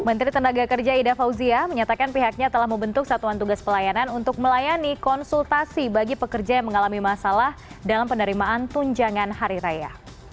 menteri tenaga kerja ida fauzia menyatakan pihaknya telah membentuk satuan tugas pelayanan untuk melayani konsultasi bagi pekerja yang mengalami masalah dalam penerimaan tunjangan hari raya